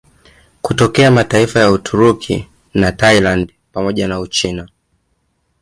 Kutokea mataifa ya Uturuki na Thailandi pamoja na Uchina